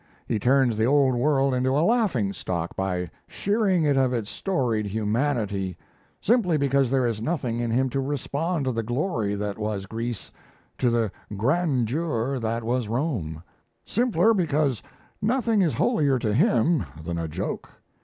He turns the Old World into a laughing stock by shearing it of its storied humanity simply because there is nothing in him to respond to the glory that was Greece, to the grandeur that was Rome simpler because nothing is holier to him than a joke.